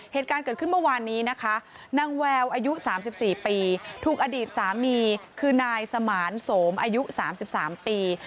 เหตุการณ์เกิดขึ้นเมื่อวานนี้นะคะนางแววอายุ๓๔ปีถูกอดีตสามีคือนายสมานโสมอายุ๓๓ปี